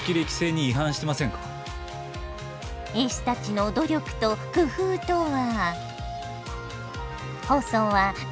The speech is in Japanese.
絵師たちの努力と工夫とは？